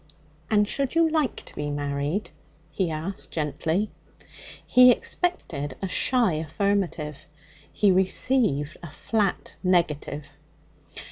'And should you like to be married?' he asked gently. He expected a shy affirmative. He received a flat negative.